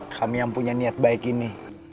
kami yang punya niat baik ini